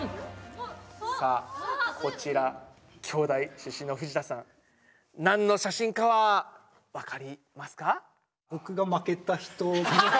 さあこちら京大出身の藤田さん何の写真かはわかりますか？